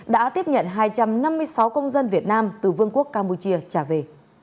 đã tiếp nhận hai trăm năm mươi sáu công dân việt nam từ vương quốc campuchia trả về